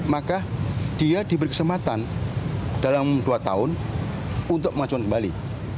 maka dia diberi kesempatan dalam dua tahun untuk maju kembali